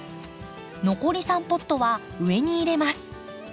残り３ポットは上に入れます。